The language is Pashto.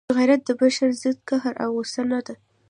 غیرت د بشر ضد قهر او غصه نه ده.